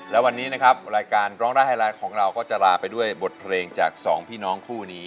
และวันนี้นะครับรายการร้องได้ให้ร้านของเราก็จะลาไปด้วยบทเพลงจากสองพี่น้องคู่นี้